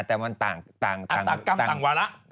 แต่มันต่างกรรมต่างวาระ